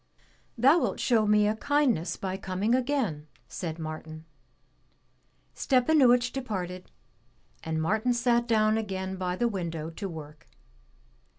"Thou wilt show me a kindness by coming again," said Martin. Stepanuich departed, and Martin sat down again by the window to work.